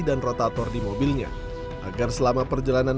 dan rotator di mobilnya agar selama perjalanan